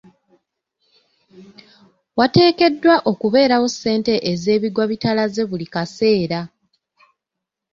Wateekeddwa okubeerawo ssente ez'ebigwa bitalaze buli kaseera.